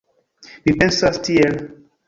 Mi pensas tiel.